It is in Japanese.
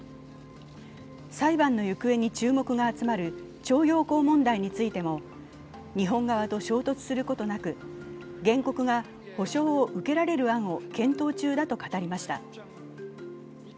裁判の行方に注目が集まる徴用工問題についても日本側と衝突することなく、原告が補償を受けられる案を検討中だと語りました。